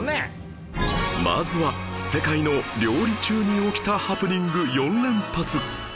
まずは世界の料理中に起きたハプニング４連発